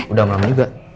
udah malam juga